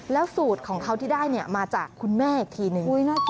แล้วสูตรของเขาที่ได้มาจากคุณแม่อีกทีหนึ่ง